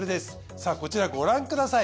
さあこちらご覧ください。